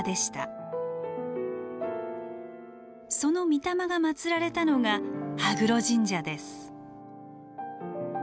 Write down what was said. その御霊がまつられたのが羽黒神社です。